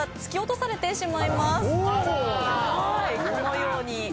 このように。